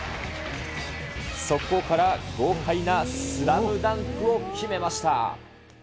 速攻から豪快なスラムダンクを決めました。